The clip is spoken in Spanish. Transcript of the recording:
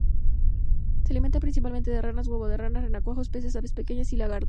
Se alimenta principalmente de ranas, huevos de ranas, renacuajos, peces, aves pequeñas y lagartos.